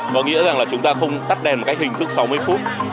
có nghĩa rằng là chúng ta không tắt đèn một cách hình thức sáu mươi phút